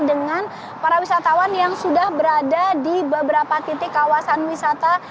dengan para wisatawan yang sudah berada di beberapa titik kawasan wisata